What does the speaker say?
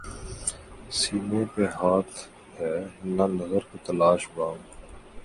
سینے پہ ہاتھ ہے نہ نظر کو تلاش بام